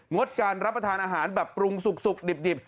ดการรับประทานอาหารแบบปรุงสุกดิบ